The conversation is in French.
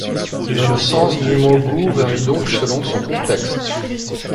Le sens du mot goût varie donc selon son contexte.